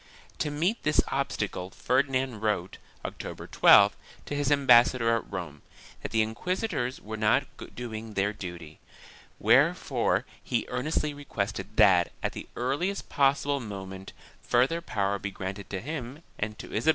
To meet this obstacle Ferdinand wrote, October 12th, to his ambassador at Rome, that the inquisitors were not doing their duty, wherefore he earnestly requested that, at the earliest possible moment, further power be granted to him and to 1 Libre dels quatre Senyals, cap.